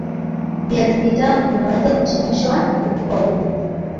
Viazi vitamu vinaweza Kuchemshwa na kupikwa uji